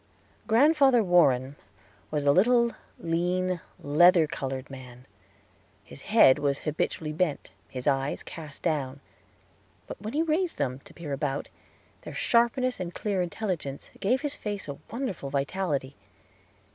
Grandfather Warren was a little, lean, leather colored man. His head was habitually bent, his eyes cast down; but when he raised them to peer about, their sharpness and clear intelligence gave his face a wonderful vitality.